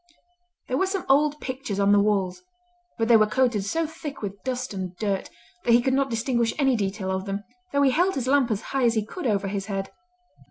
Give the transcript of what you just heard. There were some old pictures on the walls, but they were coated so thick with dust and dirt that he could not distinguish any detail of them, though he held his lamp as high as he could over his head.